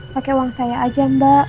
pakai uang saya aja mbak